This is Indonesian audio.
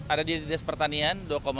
ada di dinas pertanian